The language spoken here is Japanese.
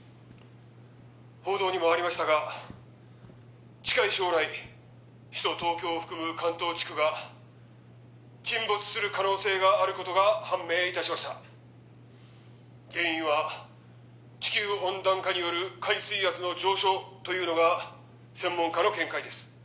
報道にもありましたが近い将来首都東京を含む関東地区が沈没する可能性があることが判明いたしました原因は地球温暖化による海水圧の上昇というのが専門家の見解です